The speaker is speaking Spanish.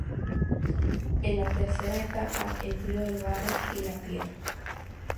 En la tercera etapa empleó el barro y la piedra.